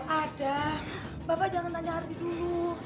ada bapak jangan tanya arbi dulu